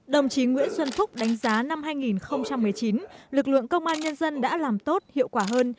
đồng chí nguyễn xuân phúc đánh giá năm hai nghìn một mươi chín lực lượng công an nhân dân đã làm tốt hiệu quả hơn